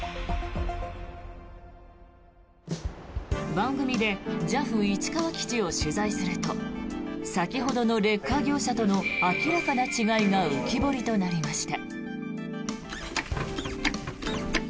番組でＪＡＦ市川基地を取材すると先ほどのレッカー業者との明らかな違いが浮き彫りとなりました。